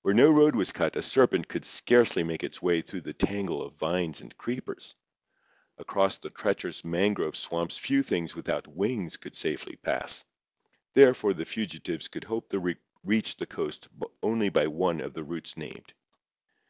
Where no road was cut a serpent could scarcely make its way through the tangle of vines and creepers. Across the treacherous mangrove swamps few things without wings could safely pass. Therefore the fugitives could hope to reach the coast only by one of the routes named.